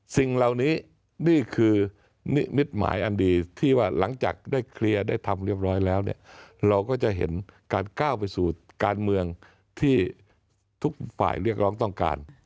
สิ่งเหล่านี้นี่คือนิมิตหมายอันดีที่ว่าหลังจากได้เคลียร์ได้ทำเรียบร้อยแล้วเนี่ยเราก็จะเห็นการก้าวไปสู่การเมืองที่ทุกฝ่ายเรียกร้องต้องการ